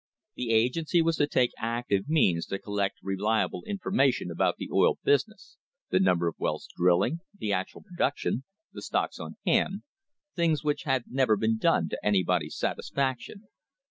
The agency was to take active means to collect reliable informa tion about the oil business — the number of wells drilling, the actual production, the stocks on hand — things which had never been done to anybody's satisfaction.